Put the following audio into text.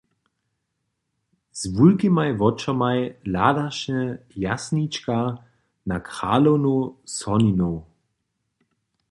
Z wulkimaj wočomaj hladaše Jasnička na kralownu soninow.